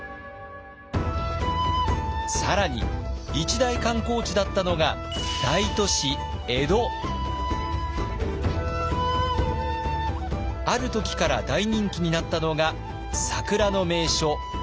更に一大観光地だったのがある時から大人気になったのが桜の名所飛鳥山。